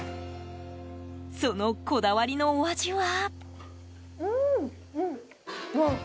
そのこだわりのお味は？